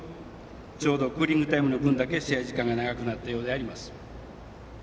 ちょうどクーリングタイムの分だけ試合時間が長くなったようであります。